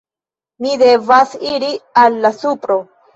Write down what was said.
Mi devas iri al la supro